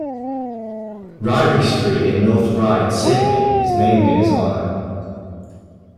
Ryrie Street in North Ryde, Sydney is named in his honour.